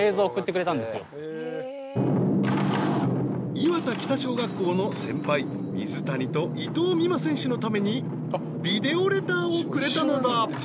［磐田北小学校の先輩水谷と伊藤美誠選手のためにビデオレターをくれたのだ］